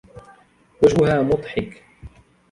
وجهها مضحِك.